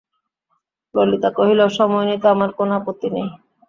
ললিতা কহিল, সময় নিতে আমার কোনো আপত্তি নেই।